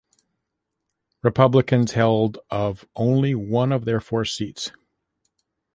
Republicans held of only one of their four seats.